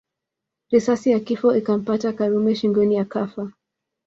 Risasi ya kifo ikampata Karume shingoni akafa